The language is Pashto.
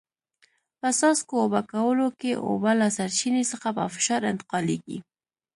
په څاڅکو اوبه کولو کې اوبه له سرچینې څخه په فشار انتقالېږي.